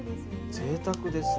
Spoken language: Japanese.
ぜいたくですね。